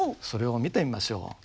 それを見てみましょう。